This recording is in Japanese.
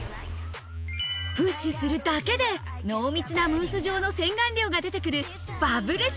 プッシュするだけで濃密なムース状の洗顔料が出て来る